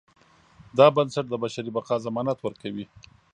دا بنسټ د بشري بقا ضمانت ورکوي.